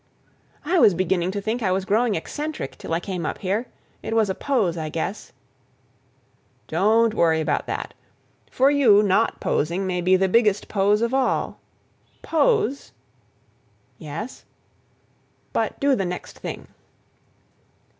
"I was beginning to think I was growing eccentric till I came up here. It was a pose, I guess." "Don't worry about that; for you not posing may be the biggest pose of all. Pose—" "Yes?" "But do the next thing."